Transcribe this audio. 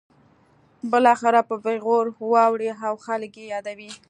بالاخره په پیغور واړوي او خلک یې یادوي.